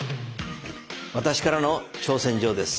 私からの挑戦状です。